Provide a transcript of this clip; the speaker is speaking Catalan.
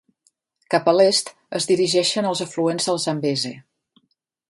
Cap a l'est es dirigeixen els afluents del Zambeze.